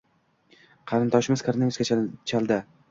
Qarindoshimiz koronavirusga chaldi